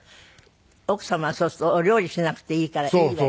奥様はそうするとお料理しなくていいからいいわよね。